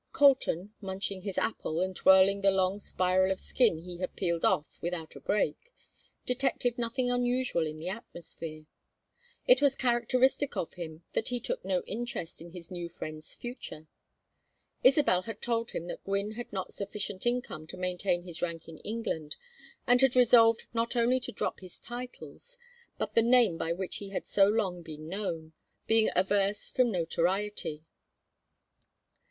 Colton, munching his apple, and twirling the long spiral of skin he had peeled off without a break, detected nothing unusual in the atmosphere. It was characteristic of him that he took no interest in his new friend's future. Isabel had told him that Gwynne had not sufficient income to maintain his rank in England, and had resolved not only to drop his titles, but the name by which he had so long been known; being averse from notoriety.